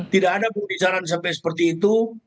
tidak ada pembicaraan sampai seperti itu